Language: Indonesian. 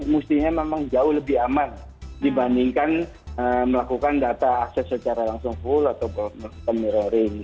mestinya memang jauh lebih aman dibandingkan melakukan data akses secara langsung full atau melakukan mirroring